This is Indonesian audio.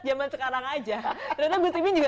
zaman sekarang aja ternyata gus imin juga